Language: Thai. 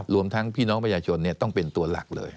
รวมทั้งพี่น้องประชาชนต้องเป็นตัวหลักเลย